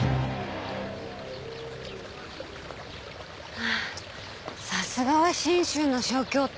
ああさすがは信州の小京都。